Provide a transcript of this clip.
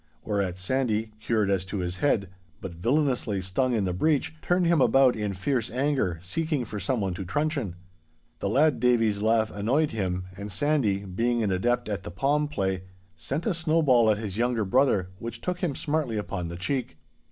Whereat Sandy, cured as to his head, but villainously stung in the breech, turned him about in fierce anger, seeking for someone to truncheon. The lad Davie's laugh annoyed him, and Sandy, being an adept at the palm play, sent a snowball at his young brother, which took him smartly upon the cheek.